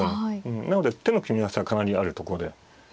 なので手の組み合わせはかなりあるとこで。